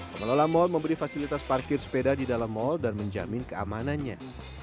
pemelola mall memberi fasilitas parkir sepeda di dalam mall dan menjamin keamanannya